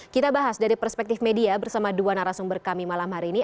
kita bahas dari perspektif media bersama dua narasumber kami malam hari ini